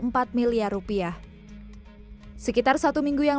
sekitar satu minggu yang lalu pulau ini terjadi di kepulauan riau